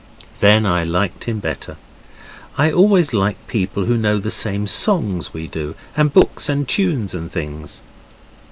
Then I liked him better. I always like people who know the same songs we do, and books and tunes and things.